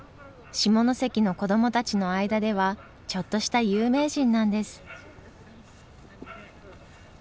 下関の子どもたちの間ではちょっとした有名人なんです。